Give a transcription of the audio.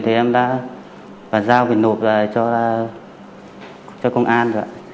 thì em đã giao về nộp cho công an